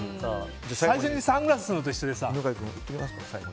最初にサングラスするのと一緒で。